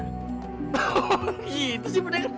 oh gitu sih pendekar